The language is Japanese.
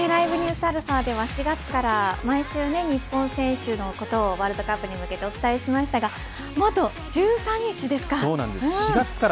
ＬｉｖｅＮｅｗｓαでは４月から毎週、日本選手のことをワールドカップに向けてお伝えしましたがもう、あと１３日ですか。